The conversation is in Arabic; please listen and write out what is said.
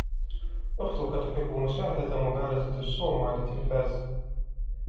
أختك تحب مشاهدة مبارزة السومو على التلفاز.